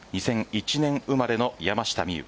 ２００１年生まれの山下美夢